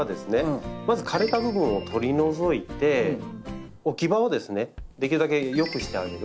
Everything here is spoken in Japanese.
まず枯れた部分を取り除いて置き場をですねできるだけ良くしてあげる。